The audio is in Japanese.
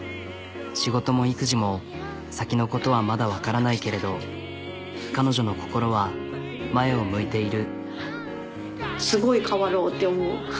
仕事も育児も先のことはまだわからないけれど彼女の心は前を向いている。